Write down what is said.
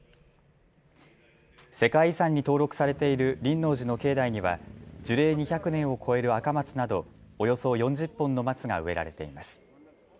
世界遺産に登録されている輪王寺の境内には樹齢２００年を超えるアカマツなどおよそ４０本のマツが植えられています。